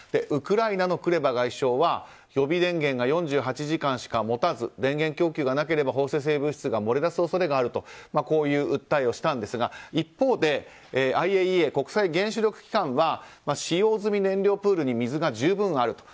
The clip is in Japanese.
ウクライナのクレバ外相は予備電源が４８時間しか持たず電源供給がなければ放射性物質が漏れ出す恐れがあるという訴えをしたんですが一方でＩＡＥＡ・国際原子力機関は使用済み燃料プールに水が十分にある。